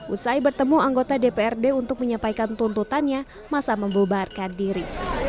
usai bertemu anggota dprd untuk menyampaikan tuntutannya masa membubarkan diri